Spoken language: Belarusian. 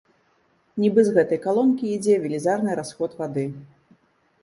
Нібы з гэтай калонкі ідзе велізарны расход вады.